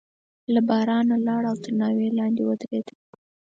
له بارانه لاړ او تر ناوې لاندې ودرېد.